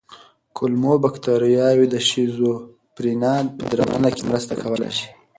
کولمو بکتریاوې د شیزوفرینیا په درملنه کې مرسته کولی شي.